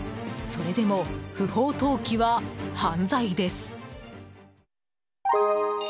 それでも不法投棄は犯罪です。